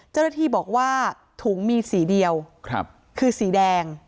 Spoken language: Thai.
เจ้าหน้าที่บอกว่าถุงมีสีเดียวคือสีแดง